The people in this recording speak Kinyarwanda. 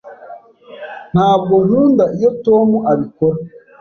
Ntabwo nkunda iyo Tom abikora.